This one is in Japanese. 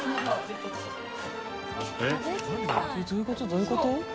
どういうこと？